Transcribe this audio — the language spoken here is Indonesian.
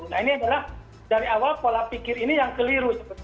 nah ini adalah dari awal pola pikir ini yang keliru